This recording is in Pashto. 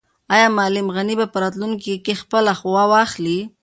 آیا معلم غني به په راتلونکي کې خپله غوا واخلي؟